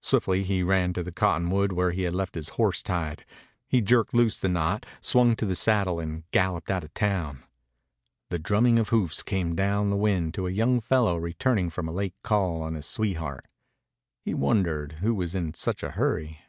Swiftly he ran to the cottonwood where he had left his horse tied. He jerked loose the knot, swung to the saddle, and galloped out of town. The drumming of hoofs came down the wind to a young fellow returning from a late call on his sweetheart. He wondered who was in such a hurry.